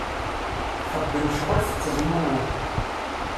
Txeddem ccɣel tettezmumug.